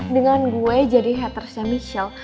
dengan gue jadi hatersnya michel